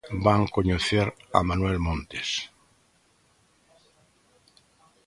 Van coñecer a Manuel Montes.